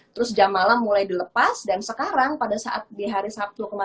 terus jam malam mulai dilepas dan sekarang pada saat itu kita sudah bisa berada di jalan selama dua jam